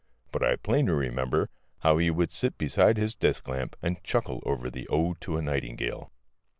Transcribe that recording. But I plainly remember how he would sit beside his desk lamp and chuckle over the Ode to a Nightingale.